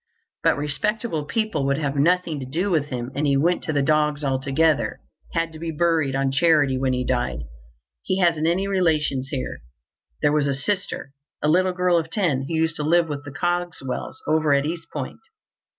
But respectable people would have nothing to do with him, and he went to the dogs altogether—had to be buried on charity when he died. He hasn't any relations here. There was a sister, a little girl of ten, who used to live with the Cogswells over at East Point.